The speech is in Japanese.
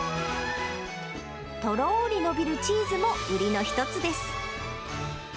とろーり伸びるチーズも売りの一つです。